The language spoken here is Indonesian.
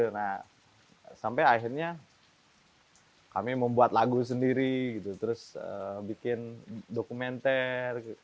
nah sampai akhirnya kami membuat lagu sendiri gitu terus bikin dokumenter